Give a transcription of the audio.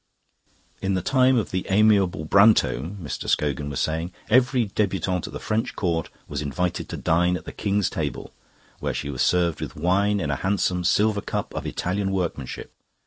In the time of the amiable Brantome," Mr. Scogan was saying, "every debutante at the French Court was invited to dine at the King's table, where she was served with wine in a handsome silver cup of Italian workmanship.